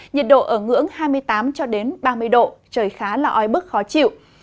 nhiệt độ ở ngưỡng hai mươi tám cho đến ba mươi độ trời khá là ói bức khó chịu